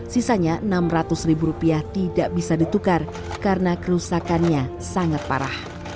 sisanya rp enam ratus ribu rupiah tidak bisa ditukar karena kerusakannya sangat parah